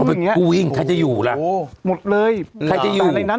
อย่างเงี้ยกูวิ่งใครจะอยู่ล่ะโหหมดเลยใครจะอยู่อะไรนั้น